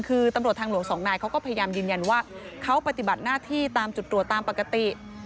คือตำรวจทางหลวงสองนายเขาก็พยายามยืนยันว่าเขาปฏิบัติหน้าที่ตามจุดตรวจตามปกติ